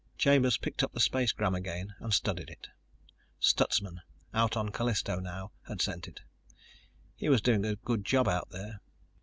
Chambers picked up the spacegram again and studied it. Stutsman, out on Callisto now, had sent it. He was doing a good job out there.